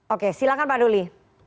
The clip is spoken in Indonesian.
oke silahkan pak duli